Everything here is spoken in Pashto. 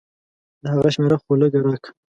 د هغه شميره خو لګه راکه.